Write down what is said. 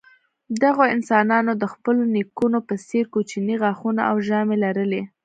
دغو انسانانو د خپلو نیکونو په څېر کوچني غاښونه او ژامې لرلې.